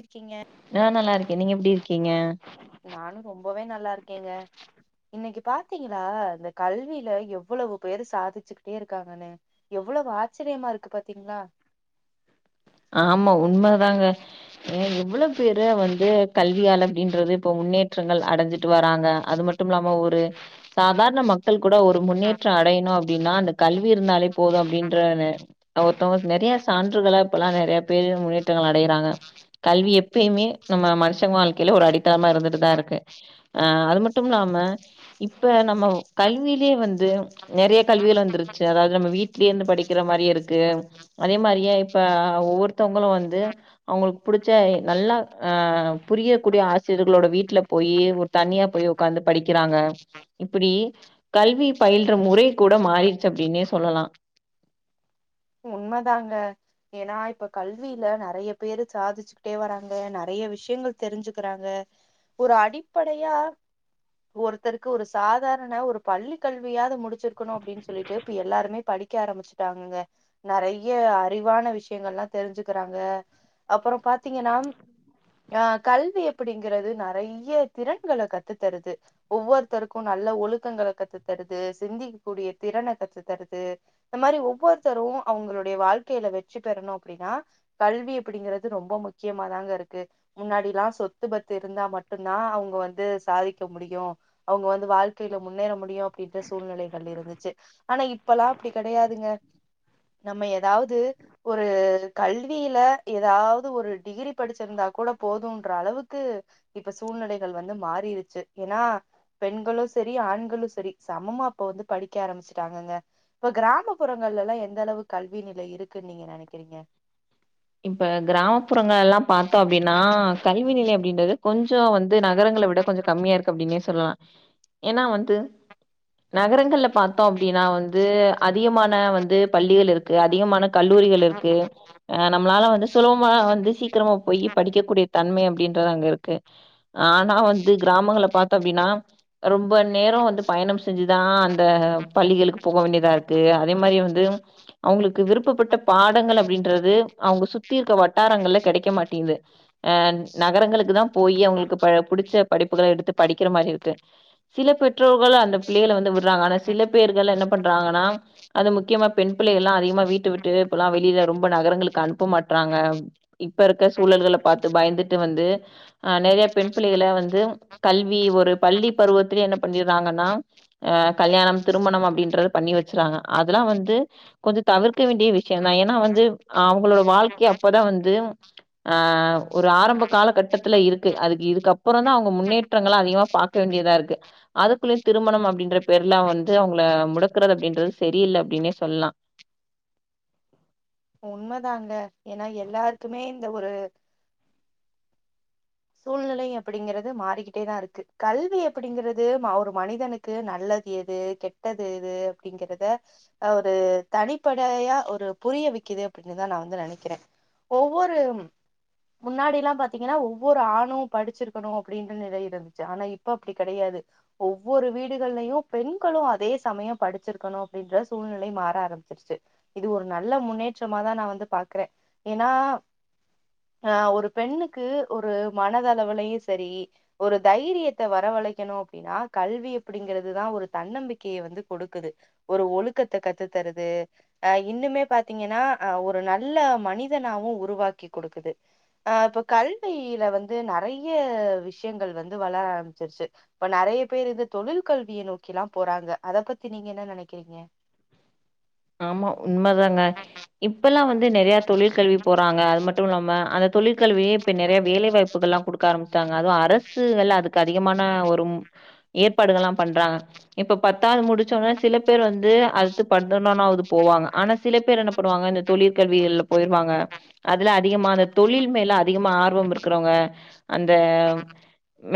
இருக்கிங்க நா நல்லா இருக்கே நீங்க எப்டி இருக்கீங்க நானு ரொம்பவே நல்லாருக்கேங்க இன்னைக்கு பாத்திங்களா இந்த கல்வில எவ்வளவு பேர் சாதிச்சுகிட்டே இருக்காங்கனு எவ்வளவு ஆச்சரியமா இருக்கு பாத்திங்ளா ஆமா உண்மதாங்க ஏ இவ்ள பேர வந்து து கல்வியால அப்டின்றது இப்ப முன்னேற்றங்கள் அடஞ்சிட்டு வராங்க அது மட்டுமில்லாம ஒரு சாதாரண மக் கள் கூட ஒரு முன்னேற்ற அடையணு அப்டினா அந்த கல்வி இருந்தாலே போது அப்டின்ற நெ ஒருத்தவ்ங்க நெறையா சான்று இப்பலா நெறையா பேரு முயற் ற்றங்கள் அடையறாங்க கல்வி எப்பயுமே நம்ம மனுஷங்க வாழ்க்கைல ஒரு அடித்தளமா இருந்துட்டுதா இருக்கு ஆ அது மட்டுமிலாம இப்ப நம்ம கல்விலயே வந்து நெறைய கல்விகள் வந்துருச்சு அதாது நம்ம வீட்லயே இருந்து படிக்கற மாரி இருக்கு அதே மாரியே ப்ப ஒவ்வொருத்தவுங்ளு வந்து அவுங்ளுக்கு புடிச்ச நல்லா அ புரியக்கூடிய ஆசிரியர்களோட வீட்ல போயி ஒரு தனியா போய் உக்காந்து படிக்கிறாங்க இப்பிடி கல்வி பயில்ற முறை கூட மாறிடுச்சு அப்டினே சொல்லலா உண்மதாங்க ஏனா இப்ப கல்வில நறைய பேரு சாதிச்சிகிட்டே வராங்க நறைய விஷயங்கள் தெரிஞ்சுக்றாங்க ஒரு அடிப்படையா ஒருத்தருக்கு ஒரு சாதாரண ஒரு பள்ளி கல்வியாது முடிச் சிருக்கணு அப்டின் சொல்லிட்டு இப்ப எல்லாருமே படிக்க ஆரம்பிச்சுட்டாங்கங்க நெறைய அறிவான விஷ்யங்கள்லா தெரிஞ்சுக்கிறாங்கே அப்புறோ பாத்தீங்கனா ம் ஆ கல்வி எப்பிடிங்கறது நெறைய திறன்கள கத்துத்தருது ஒவ்வொர்த்தருக்கு நல்லே ஒழுக்கங்கள கத்துத்தருது சிந்திக் கூடிய திறனே கத்துத்தருது இந்த மாரி ஒவ்வொர்த்தரூ அவங்களுடைய வாழ்க்கையில வெற்றி பெறணு அப்டின்னா கல்வி அப்டிங்கறது ரொம்ப முக்கியமாதாங்க இருக்கு முன்னாடிலா சொத்து பத்து இருந்தா மட்டுன்தா அவங்க வந்து சாதிக்க முடியு அவங்க வந்து வாழ்க்கையில முன்னேற முடியு அப்டின்ற சூழ்நிலைகள் இருந்துச்சு ஆனா இப்பல்லா அப்டி கெடையாதுங்க நம்ம ஏதாவது ஒரு கல்வியில ஏதாவது ஒரு டிகிரி படிச்சிருந்தா கூட போதுன்ற அளவுக்கு இப்ப சூழ்நிலைகள் வந்து மாறிருச்சு ஏன்னா பெண்களு சரி ஆண்களு சரி சமமா இப்ப வந்து படிக்க ஆரம்பிச்சுட்டாங்கங்க இப்ப கிராமப்புறங்கள்ல எல்லா என் தளவு கல்வி நிலை இருக்குனு நீங்க நெனைக்குறீங்க இப்ப கிராமப்புறங்கள் எல்லா பாத்தோ அப்டின்னா கல்வி நிலையம் அப்டின்றது கொஞ்சொ வந்து நகரங்கள விட கொஞ்சொ கம்மியா இருக்கு அப்டின்னே சொல்லலா ஏனா வந்து நகரங்கள்ல பாத்தோ அப்டின்னா வந்து அதிகமான வந்து பள்ளிகள் இருக்கு அதிகமான கல்லூரிகள் இருக்கு நம்மளால வந்து சுலபமா வந்து சீக்கிரமா போய் படிக்கக்கூடிய தன்மை அப்டின்றது அங்க இருக்கு ஆனா வந்து கிராமங்கள பாத்தோ அப்டின்னா ரொம்ப நேரெ வந்து பயணம் செஞ்சுதா அந்த பள்ளிகளுக்கு போக வேண்டியதா இருக்கு அதே மாரி வந்து அவங்களுக்கு விருப்பப்பட்ட பாடங்கள் அப்டின்றது அவங்க சுத்தி இருக்க வட்டாரங்கள்ல கெடைக்க மாட்டேங்குது அஹ் நகரங்களுக்கு தா போய் அவங்களுக்கு ப புடிச்ச படிப்புகள எடுத்து படிக்கிற மாரி இருக்கு சில பெற்றோர்கள் அந்த பிள்ளைகள வந்து விடுறாங்க ஆனா சில பேர்கள் என்ன பண்றாங்கன்னா அது முக்கியமா பெண் பிள்ளைகள்லா அதிகமா வீட்டு விட்டு இப்பல்லா வெளியில ரொம்ப நகரங்களுக் கனுப்ப மாட்றாங்க இப்ப இருக்க சூழல்கள பாத்து பயந்துட்டு வந்து அஹ் நெறைய பெண் பிள்ளைகள வந்து கல்வி ஒரு பள்ளி பருவத்துலே என்ன பண்ணிடுறாங்கன்னா அ கல்யாணம் திருமணம் அப்டின்றத பண்ணி வெச்சுறாங்க அதெல்லா வந்து கொஞ்சொ தவிர்க்க வேண்டிய விஷயொ தா ஏன்னா வந்து அவங்களோட வாழ்க்கை அப்பதா வந்து ஆ ஒரு ஆரம்ப கால கட்டத்துல இருக்கு அதுக்கு இதுக்குப்புறொ தா அவங்க முன்னேற்றங்கள அதிகமா பாக்க வேண்டியதா இருக்கு அதுக்குள்ளயே திருமணம் அப்டின்ற பேர் எல்லா வந்து அவங்கள முடக்கறது அப்டின்றது செரியில்ல அப்டின்னே சொல்லா உண்மதாங்க ஏன்னா எல்லாருக்குமே இந்த ஒரு சூழ்நிலை அப்டிங்குறது மாறிக்கிட்டேதா இருக்கு கல்வி அப்டிங்குறது ஒரு மனிதனுக்கு நல்லது எது கெட்டது எது அப்டிங்கறத ஒரு தனிப்படையா ஒரு புரிய வைக்குது அப்டின்னுதா நா வந்து நெனைக்கிறே ஒவ்வொரு முன்னாடிலா பாத்தீங்கன்னா ஒவ்வொரு ஆணு படிச்சிருக்கணு அப்டின்ற நிலை இருந்துச்சு ஆனா இப்ப அப்டி கெடையாது ஒவ்வொரு வீடுகள்லயு பெண்களு அதே சமய படிச்சிருக்கணு அப்டின்ற சூழ்நிலை மாற ஆரம்பிச்சிருச்சு இது ஒரு நல்ல முன்னேற்றமாதா நா வந்து பாக்குறே ஏன்னா ஆஹ் ஒரு பெண்ணுக்கு ஒரு மனத லவுலயு சரி ஒரு தைரியத்த வரவழைக்கணு அப்டின்னா கல்வி அப்டிங்கறதுதா ஒரு தன்னம்பிக்கைய வந்து கொடுக்குது ஒரு ஒழுக்கத்த கத்து தருது அ இன்னுமே பாத்தீங்கன்னா அ ஒரு நல்ல மனிதனாவு உருவாக்கி கொடுக்குது அ இப்ப கல்வில வந்து ந றைய விஷயங்கள் வந்து வளர ஆரம்பிச்சிடுச்சு இப்ப நெறைய பேர் இது தொழில் கல்விய நோக்கிலா போறாங்க அத பத்தி நீங்க என்ன நெனைக்கிறீங்க ஆமா உண்ம தாங்க இப்பொல்லா வந்து நெறைய தொழில் கல்வி போறாங்க அது மட்டும இல்லாம அந்த தொழில் கல் வியே இப்ப நெறைய வேலை வாய்ப்புகள்லா கொடுக்க ஆரம்பிச்டாங்க அதுவு அர் ரசுகள் அதுக்கு அதிகமான ஒரு ஏற்பாடுகள்லா பண்றாங்க இப்ப பத்தாவது முடிச்சோன சில பேர் வந்து அடுத்து பட் தர்மமாவுது போவாங்க ஆனா சில பேர் என்ன பண்ணுவாங்க இந்த தொழில் கல்விகள்ல போயிருவாங்க அதுல அதிகமா அந்த தொழில் மேல அதிகமா ஆர்வம் இருக்கிறவங்க அந்த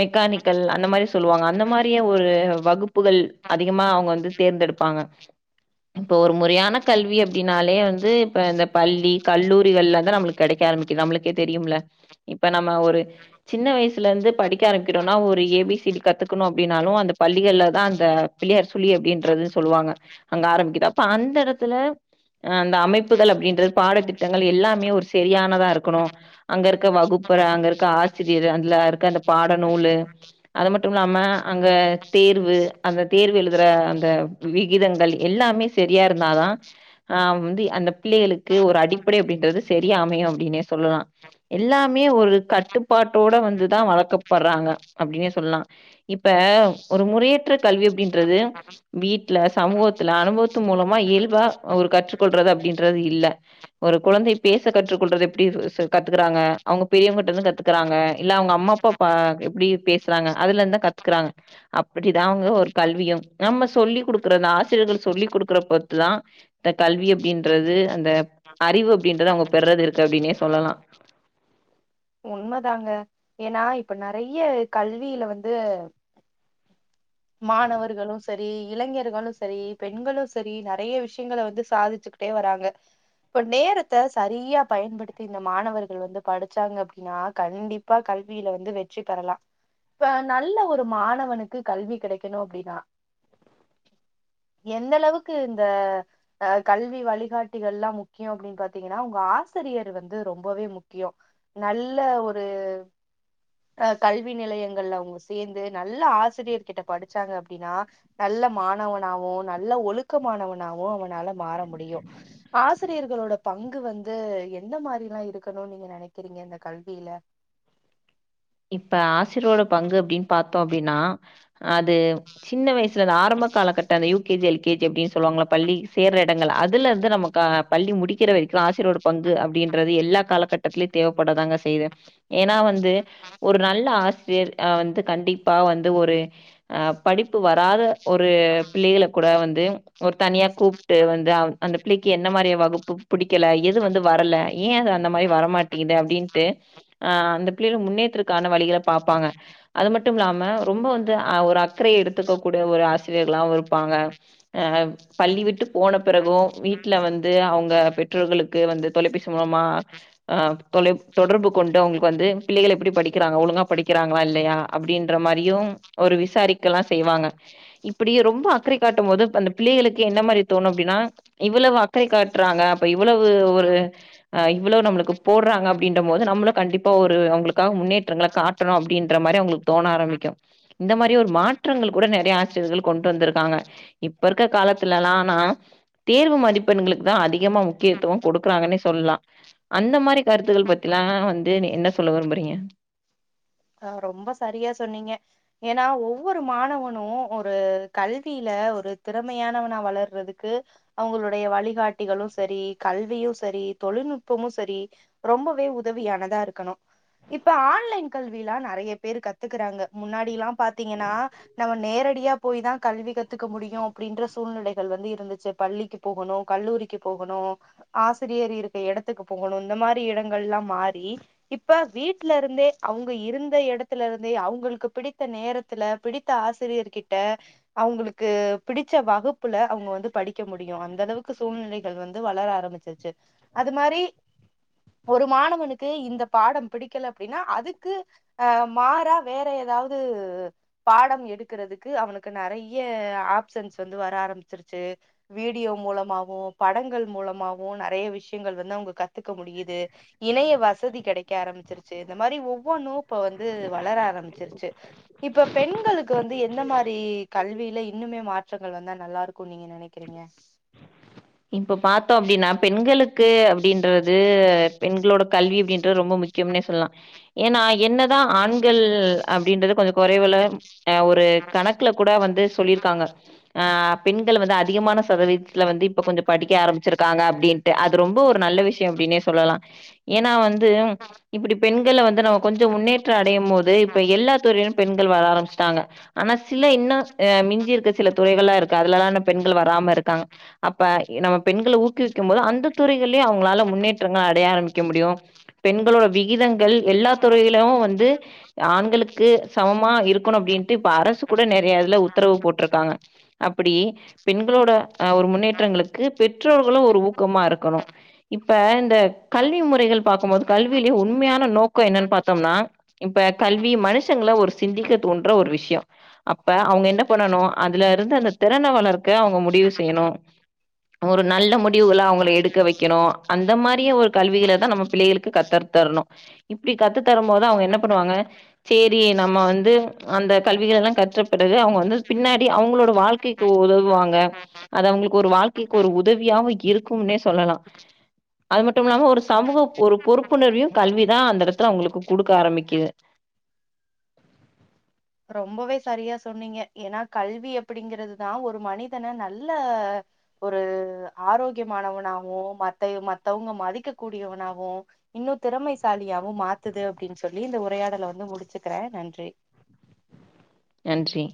மெக்கானிக்கல் அந்த மாரி சொல்லுவாங்க அந்த மாரியே ஒரு வகுப்புகள் அதிகமா அவங்க வந்து தேர்ந்தெடுப்பாங்க இப்ப ஒரு முறையான கல்வி அப்டின்னாலே வந்து இப்ப இந்த பள்ளி கல்லூரிகள்ல தா நம்மளுக்கு கெடைக்க ஆரம்பிக்குது நம்மளுக்கே தெரியும்ல இப்ப நம்ம ஒரு சின்ன வயசுல இருந்து படிக்க ஆரம்பிக்கிறோனா ஒரு ஏ பி சி டி கத்துக்கணு அப்டின்னாலு அந்த பள்ளிகள்ல தா அந்த பிள்ளையார் சுல்லி அப்டின்றதுன்னு சொல்லுவாங்க அங்க ஆரம்பிக்கு து அப்ப அந்த எடத்துல அந்த அமைப்புகள் அப்டின்றது பாடத்திட்டங்கள் எல்லாமே ஒரு செரியானதா இருக்கணு அங்க இருக்க வகுப்பற அங்க இருக்க ஆசிரியர் அதுல இருக்க அந்த பாடநூலு அது மட்டு இல்லாம அங்க தேர்வு அந்த தேர்வு எழுதுற அந்த விகிதங்கள் எல்லாமே செரியா இருந்தாதா ஆஹ் வந்து அந்த பிள்ளைகளுக்கு ஒரு அடிப்படை அப்டின்றது செரியா அமையு அப்டின்னே சொல்லலா எல்லாமே ஒரு கட்டுப்பாட்டோட வந்துதா வளர்க்கப்படுறாங்க அப்டின்னே சொல்லலா இப்ப ஒரு முறையற்ற கல்வி அப்டின்றது வீட்டுல சமூகத்துல அனுபவத் த்து மூலமாக இயல்பா ஒரு கற்றுக்கொள்றது அப்டின்றது இல்ல ஒரு குழந்தை பேச கற்றுக்கொள்றது எப்டி சு கத்துக்குறாங்க அவங்க பெரியவங்கட்ட இருந்து கத்துக்குறாங்க இல்ல அவங்க அம்மா அப்பா பா எப்டி பேசுறாங்க அதுல இருந்து தா கத்துக்கறாங்க அப்டிதா அவங்க ஒரு கல்வியும் நம்ம சொல்லிகுடுக்குற அந்த ஆசிரியர்கள் சொல்லிக்குடு க்குற பொத்துதா இந்த கல்வி அப்டின்றது அந்த அறிவு அப்டின்றது அவங்க பெறது இருக்கு அப்டினே சொல்லலா உண்மதாங்க ஏன்னா இப்ப நெறைய கல்வியில வந்து மாணவர்களு சரி இளைஞர்களு சரி பெண்களு சரி நெறைய விஷயங்கள்ல வந்து சாதிச்சுக்கிட்டே வராங்க இப்ப நேரத்த சரியா பயன்படுத்தி இந்த மாணவர்கள் வந்து படிச்சாங்க அப்டின்னா கண்டிப்பா கல்வியில வந்து வெற்றி பெறலா இப்ப நல்ல ஒரு மாணவனுக்கு கல்வி கெடைக்கணு அப்டின்னா எந்த அளவுக்கு இந்த அஹ் கல்வி வழிகாட்டிகள்லா முக்கியொ அப்டின்னு பாத்தீங்கன்னா உங்க ஆசிரியர் வந்து ரொம்பவே முக்கியொ நல்ல ஒரு அஹ் கல்வி நிலையங்கள்ல அவங்க சேந்து நல்ல ஆசிரியர் கிட்ட படிச்சாங்க அப்டின்னா நல்ல மாணவனாவு நல்ல ஒழுக்கமானவனாவு அவனால மாற முடியு ஆசிரியர்களோட பங்கு வந்து எந்த மாரிலா இருக்கணு நீங்க நெனைக்கிறீங்க இந்த கல்வில இப்ப ஆசியரோட பங்கு அப்டின்னு பாத்தோ அப்டின்னா அது சின்ன வய சுல அந்த ஆரம்ப காலகட்ட அந்த U K G L K G அப்படின்னு சொல்லுவாங்கள்ல பள்ளி சேர்ற இடங்கள் அது அதுல இருந்து நமக்கு ஆஹ் பள்ளி முடிக்கிற வரைக்கு ஆசிரொட பங்கு அப்டின்றது எல்லா காலகட்டத்திலயு தேவப்படாதாங்க செய்து ஏன்னா வந்து ஒரு நல்ல ஆசிரியர் அஹ் வந்து கண்டிப்பா வந்து ஒரு அஹ் படிப்பு வராத ஒரு பிள்ளைகள கூட வந்து ஒரு தனியா ஒரு கூப்ட்டு வந்து அவ் அந்த பிள்ளைக்கு என்ன மாரி வகுப்பு பிடிக்கல எது வந்து வரல ஏ அது அந்த மாரி வரமாட்டேங்குது அப்டின்ட்டு அஹ் அந்த பிள்ளையொட முன்னேற்றத் க்கான வழிகள பாப்பாங்க அது மட்டும் இல்லாம ரொம்ப வந்து அ ஒரு அக்கறைய எடுத்துக்க கூடிய ஒரு ஆசிரியர்களாவு இருப்பாங்க அ பள்ளி விட்டு போன பிறகு வீட்டுல வந்து அவங்க பெற்றோர்களுக்கு வந்து தொலைபேசி மூலமா அஹ் தொலை தொடர்பு கொண்டு அவங்களுக்கு வந்து பிள்ளைகள் எப்டி படி க்குறாங்க ஒழுங்கா படிக்கிறாங்களா இல்லையா அப்டின்ற மாரியு ஒரு விசாரிக்கல்லா செய்வாங்க இப்டி ரொம்ப அக்கறை காட்டும் போது அந்தப் பிள்ளைகளுக்கு என்ன மாரி தோணு அப்டின்னா இவ்வளவு அக்கறை காட்டுறாங்க அப்ப இவ்வளவு ஒரு அ இவ்வளோ நம்மளுக்கு போடுறாங்க அப்டின்ற போது நம்மளொ கண்டிப்பா ஒரு அவங்களுக்காக முன்னே ற்றங்கள காட்டணு அப்டின்ற மாரி அவங்களுக்கு தோண ஆரம்பக்கு இந்த மாரி ஒரு மாற்றங்கள் கூட நெறைய ஆசிரியர்கள் கொண்டு வந்திருக்காங்க இப்ப இருக்க காலத்துல எல்லா அனா தேர்வு மதிப்பெண்களுக்கு தா அதிகமா முக்கியத்துவ கொடுக்குறாங்கன்னே சொல்லலா அந்த மாரி கருத்துக்கள் பத்திலா வந்து ன் என்ன சொல்ல விரும்புறீங்க ஆஹ் ரொம்ப சரியா சொன்னீங்க ஏன்னா ஒவ்வொரு மாணவனு ஒரு கல்வியில ஒரு திறமையானவனா வளர்றதுக்கு அவங்களுடைய வழிகாட்டிகளு சரி கல்வியு சரி தொழில்நுட்பமு சரி ரொம்பவே உதவியானதா இருக்கணு இப்ப ஆன்லைன் கல்விலா நெறைய பேர் கத்துக்குறாங்க முன்னாடில்லா பாத்தீங்கன்னா நம்ம நேரடியா போய தா கல்வி கத்துக்க முடியு அப்டின்ற சூழ்நிலைகள் வந்து இருந்துச்சு பள்ளிக்கு போகணு கல்லூரிக்கு போகணு ஆசிரியர் இருக்க இடத்துக்கு போகணு இந்த மாரி இடங்கள் எல்லா மாறி இப்ப வீட்டுல இருந்தே அவங்க இருந்த எடத்துல இருந்தே அவங்களுக்கு பிடித்த நேரத்துல பிடித்த ஆசிரியர் கிட்ட அவங்களுக்கு பிடிச்ச வகுப்புல அவங்க வந்து படிக்க முடியு அந்த அளவுக்கு சூழ்நிலைகள் வந்து வளர ஆரம்பிச்சிருச்சு அது மாரி ஒரு மாணவனுக்கு இந்த பாடம் பிடிக்கல அப்டின்னா அது க்கு அஹ் மாறா வேற ஏதாவது பாடம் எடுக்குறதுக்கு அவனுக்கு நெறைய ஆப்ஷன்ஸ் வந்து வர ஆரம்பிச்சிருச்சு வீடியோ மூலமாவும் படங்கள் மூலமாவும் நெறைய விஷயங்கள் வந்து அவுங்க க கத்துக்க முடியுது இணைய வசதி கெடக்க ஆரம்பிச்சிருச்சு இந்த மாதிரி ஒ [unintelligible] இப்ப வந்து வளர ஆரம்பிச்சிருச்சு இப்ப பெண்களுக் ளுக்கு வந்து எந்த மாரி கல்வில இன்னுமே மாற்றங்கள் வந்தா நல்லாருக்குனு நீங்க நெனைக்கிறீங்க இப்ப பாத்தோ அப்டின்னா பெண்களுக்கு அப்டின்றது பெண்களோட கல்வி அப்டின் டு ரொம்ப முக்கியம்னே சொல்லாம் ஏன்னா என்னதான் ஆண்கள் அப்டின்றது கொஞ்சோ கொறைவுல அஹ் ஒரு கணக்குல கூட வந்து சொல்லிருக்காங்க ஆஹ் பெண்கள் வந்து அதிகமான சதவீதத்துல வந்து இப் ப கொஞ்சோ படிக்க ஆரம்பிச்சிருக்காங்க அப்டின்ட்டு அது ரொம்ப ஒரு நல்ல விஷயம் அப்டின்னே சொல்லலாம் ஏன்னா வந்து இப்டி பெண்கள வந்து நம்ம கொஞ்சோ முன்னேற் ய்யும்போது இப்ப எல்லாத் துறையிலும் பெண் கள் வர ஆரம்பிச்சிட்டாங்க ஆனா சில இன்னு ஆஹ் மிஞ்சி இருக்க சில துறைகளாம் இருக்கு அதுலல்லாம் பெண்கள் வராம இருக்காங்க அப்ப நம்ம பெண்கள ஊக்குவிக்கும் போது அந்த துறைகளையும் அவங்களால முன்னேற்றங்கள அடைய ஆரம்பிக்க முடியும் பெண்களோட விகிதங்கள் எல்லா துறையிலும் வந்து ஆண்களுக்கு சமமா இருக்கணும் அப்டின்ட்டு இப்ப அரசு கூட நெறைய இதுல உத்தரவு போட்ருக்காங்க அப்பிடி பெண்களோட ஒரு முன்னே ற்றங்களுக்கு பெற்றோர்களும் ஒரு ஊக்கமா இருக்கணும் இப்ப இந்த கல்வி முறைகள் பாக்கும்போது கல்விலயே உண்மையான நோக்கம் என்னன்னு பாத்தோம்னா இப்ப கல்வி மனுஷங்கள ஒரு சிந்திக்க தோன்ற ஒரு விஷ்யோ அப்ப அவுங்க என்ன பண்ணணும் அதுல இருந்து அந்த திறன வளர்க்க அவுங்க முடிவு செய்யணும் ஒரு நல்ல முடிவுகள அவுங்கள எடுக்க வைக்கணும் அந்த மாரியு ஒரு கல்விகளை தான் நம்ம பிள்ளைகளுக்கு கத்த தரணும் இப்டி கத்து தரும் போது அவுங்க என்ன பண்ணுவாங்க சேரி நம்ம வந்து அந்த கல்விகள எல்லாம் கற்றப்பிறகு அவுங்க வந்து பின்னாடி அவுங்களோட வாழ்க்கைக்கு உதவுவாங்க அது அவுங்களுக்கு ஒரு வாழ் க்கைக்கு ஒரு உதவியாவு இருக்கும்னே சொல்லலாம் அது மட்டும் இல்லாம ஒரு சமூக ஒரு பொறுப்புணர்வையும் கல்விதான் அந்த இடத்துல அவுங்களுக்கு குடுக்க ஆரம்பிக்குது ரொம்பவே சரியா சொன்னீங்க ஏன்னா கல்வி அப்டிங்கிறதுதான் ஒரு மனிதன நல்ல ஒரு ஆரோக்கியமானவனாவும் மத்த மத்தவுங்க மதிக்க கூடியவனாவும் இன்னும் திறமைசாலியாவும் மாத்துது அப்டின்னு சொல்லி இந்த உரையாடல வந்து முடிச்சுக்கிறேன் நன்றி. நன்றி.